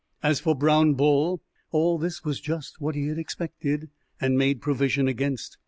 As for Brown Bull, all this was just what he had expected and made provision against.